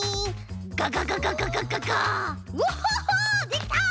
できた！